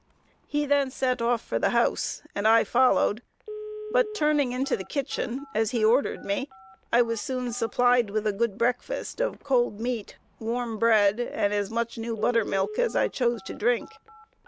He then set off for the house, and I followed, but turning into the kitchen, as he ordered me, I was soon supplied with a good breakfast of cold meat, warm bread, and as much new buttermilk as I chose to drink.